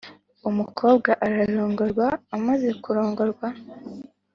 umukobwa ararongorwa, amaze kurongorwa,